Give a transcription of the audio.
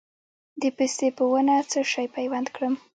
د پستې په ونه څه شی پیوند کړم؟